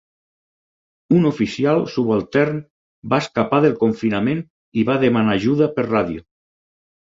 Un oficial subaltern va escapar del confinament i va demanar ajuda per ràdio.